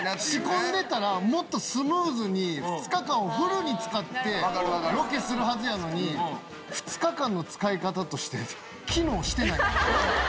仕込んでたら、もっとスムーズに２日間をフルに使ってロケするはずやのに、２日間の使い方として機能してない。